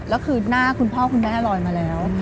แล้วคือหน้าคุณพ่อคุณแม่ลอยมาแล้ว